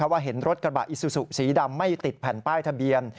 ว่าเห็นรถกระบะอิซูซูสีดำไม่ติดแผ่นป้ายทะเบียน